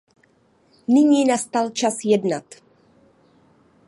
Nyní nastal čas jednat.